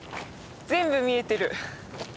全部見えてる。